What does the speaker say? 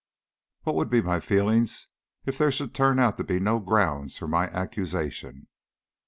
What would be my feelings if there should turn out to be no grounds for my accusation?